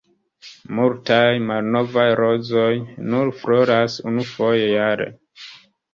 Multaj „malnovaj rozoj“ nur floras unufoje jare.